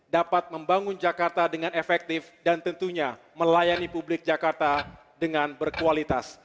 dapat membangun jakarta dengan efektif dan tentunya melayani publik jakarta dengan berkualitas